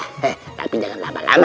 tapi jangan lama lama